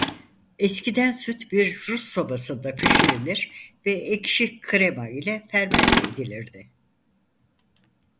Eskiden süt bir Rus sobası'nda pişirilir ve ekşi krema ile fermente edilirdi.